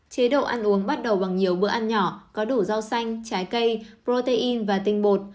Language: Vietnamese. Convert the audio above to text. chế độ ăn uống bắt đầu bằng nhiều bữa ăn nhỏ có đủ rau xanh trái cây protein và tinh bột